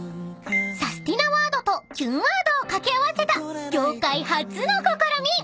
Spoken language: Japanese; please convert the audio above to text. ［サスティなワードとキュンワードを掛け合わせた業界初の試み］